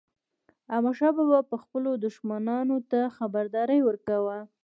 احمدشاه بابا به خپلو دښمنانو ته خبرداری ورکاوه.